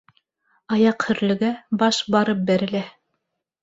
Аяҡ һөрлөгә, баш барып бәрелә.